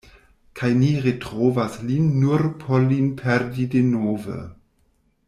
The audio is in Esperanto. Kaj ni retrovas lin nur por lin perdi denove.